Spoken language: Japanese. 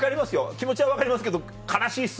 気持ちは分かりますけど悲しいですね。